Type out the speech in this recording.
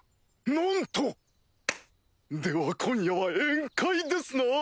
なんと！では今夜は宴会ですな！